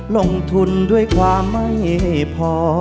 ลงทุนด้วยความไม่พอ